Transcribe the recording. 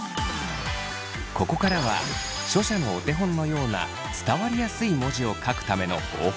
ここからは書写のお手本のような伝わりやすい文字を書くための方法について。